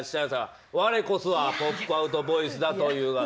我こそはポップアウトボイスだという。